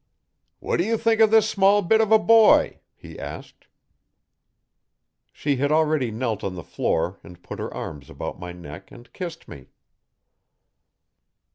'What do you think of this small bit of a boy?' he asked. She had already knelt on the floor and put her arms about my neck and kissed me.